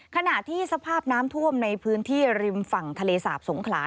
ขณะที่สภาพน้ำท่วมในพื้นที่ริมฝั่งทะเลสาบสงขลา